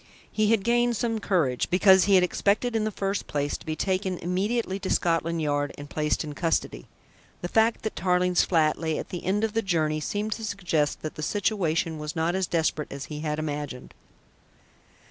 He had gained some courage, because he had expected in the first place to be taken immediately to Scotland Yard and placed in custody. The fact that Tarling's flat lay at the end of the journey seemed to suggest that the situation was not as desperate as he had imagined.